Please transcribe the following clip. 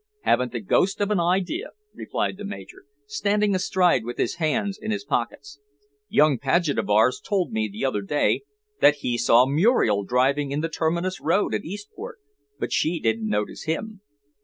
"Haven't the ghost of an idea," replied the Major, standing astride with his hands in his pockets. "Young Paget of ours told me the other day that he saw Muriel driving in the Terminus Road at Eastbourne, but she didn't notice him.